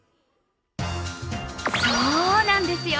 そうなんですよ。